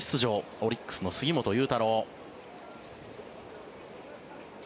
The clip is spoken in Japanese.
オリックスの杉本裕太郎。